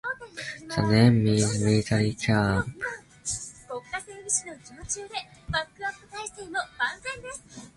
The name means 'military camp.